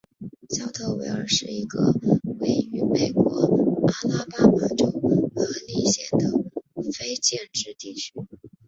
肖特维尔是一个位于美国阿拉巴马州亨利县的非建制地区。